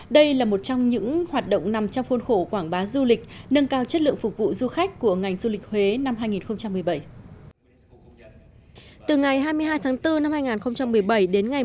đây là một trong những hoạt động nằm trong khuôn khổ quảng bá du lịch nâng cao chất lượng phục vụ du khách của ngành du lịch huế năm hai nghìn một mươi bảy